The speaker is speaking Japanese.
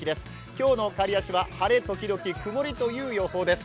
今日の刈谷市は晴れ時々曇りという予報です。